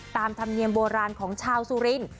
ตามธรรมเนียมโบราณของชาวสุรินทร์